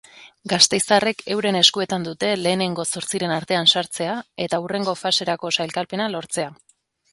Gasteiztarrek euren eskuetan dute lehenengo zortziren artean sartzea eta hurrengo faserako sailkapena lortzea.